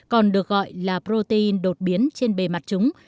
còn được gọi là protein đột biến trên bề mặt chúng